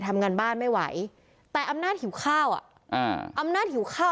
ทำงานบ้านไม่ไหวแต่อำนาจหิวข้าวอ่ะอ่าอำนาจหิวข้าว